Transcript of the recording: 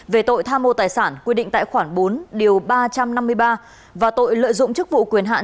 về tội tham mô tài sản quy định tại khoản bốn điều ba trăm năm mươi ba và tội lợi dụng chức vụ quyền hạn